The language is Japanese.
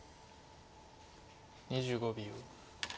２５秒。